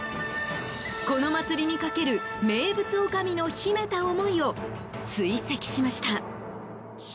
この祭りにかける名物おかみの秘めた思いを追跡しました。